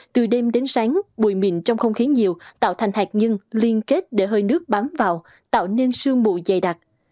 từ đêm đến sáng bụi mịn trong không khí nhiều tạo thành hạt nhân liên kết để hơi nước bám vào tạo nên sương mù dày đặc